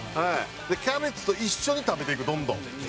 「キャベツと一緒に食べていくどんどん」